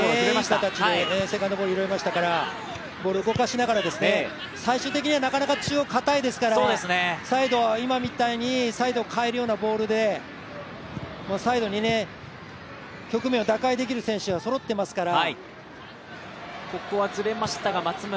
いい形でセカンドボール拾いましたから、ボール動かしながら最終的にはなかなか中央かたいですから、今みたいにサイドを変えるようなボールで、サイドに局面を打開できる選手がそろっていますから。